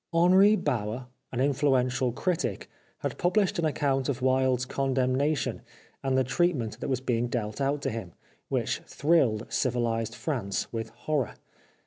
Henri Bauer, an influential critic, had published an account of Wilde's condemnation and the treatment that was being dealt out to him, which thrilled civilised France with horror.